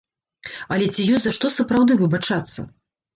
Але ці ёсць за што сапраўды выбачацца?